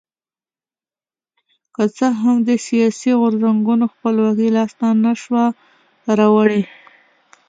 که څه هم دې سیاسي غورځنګونو خپلواکي لاسته نه شوه راوړی.